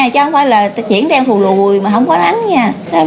chứ không phải là chuyển đen thù lùi mà không có nắng nha